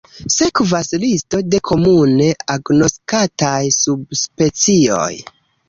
Sekvas listo de komune agnoskataj subspecioj.